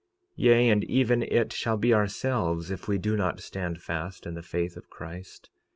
Yea, and even it shall be ourselves if we do not stand fast in the faith of Christ.